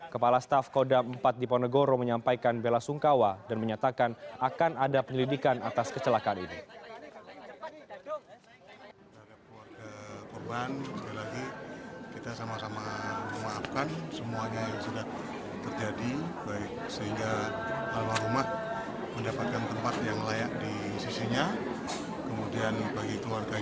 kepala staf kodam empat di ponegoro menyampaikan bela sungkawa dan menyatakan akan ada penyelidikan atas kecelakaan ini